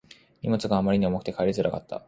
荷物があまりに重くて帰りがつらかった